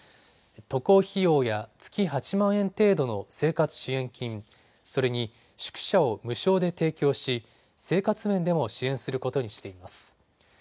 渡航費用や月８万円程度の生活支援金、それに宿舎を無償で提供し生活面でも支援することにしています。